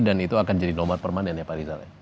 dan itu akan jadi nomor permanen ya pak rizal ya